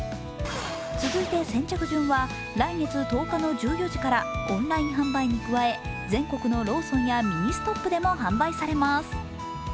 続いて先着順は来月１０日の１４時からオンライン販売に加え全国のローソンやミニストップでも販売されます。